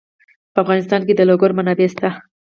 په افغانستان کې د لوگر منابع شته.